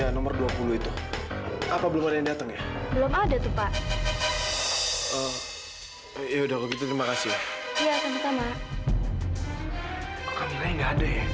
kok kamilanya gak ada ya